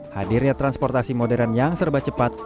hadirnya transportasi modern yang serba cepat